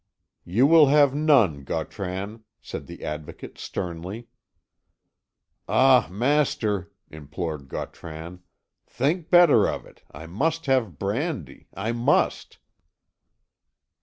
"You will have none, Gautran," said the Advocate sternly. "Ah, master," implored Gautran, "think better of it, I must have brandy I must!"